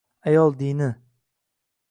Ayol dini